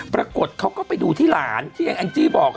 ปรากฏเขาก็ไปดูที่หลานที่แองจี้บอก